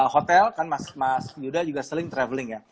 hotel kan mas yuda juga sering traveling ya